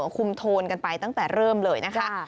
โทนกันไปตั้งแต่เริ่มเลยนะคะ